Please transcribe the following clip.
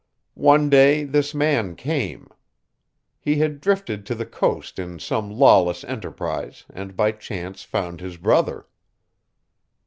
One day this man came. He had drifted to the coast in some lawless enterprise, and by chance found his brother."